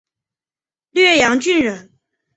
略阳郡人。